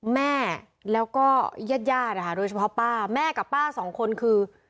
แม่แล้วก็ญาติญาตินะคะโดยเฉพาะป้าแม่กับป้าสองคนคือ